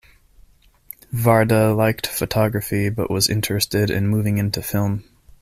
Varda liked photography but was interested in moving into film.